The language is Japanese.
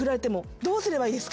どうすればいいですか？